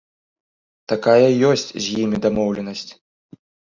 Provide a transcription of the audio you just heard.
Такая ёсць з імі дамоўленасць.